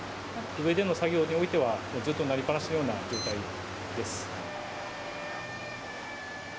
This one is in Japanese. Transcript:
上での作業においては、ずっと鳴りっぱなしのような状態です。